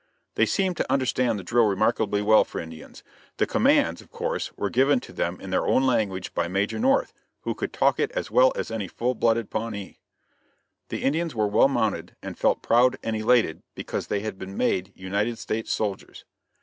They seemed to understand the drill remarkably well for Indians. The commands, of course, were given to them in their own language by Major North, who could talk it as well as any full blooded Pawnee. The Indians were well mounted and felt proud and elated because they had been made United States soldiers.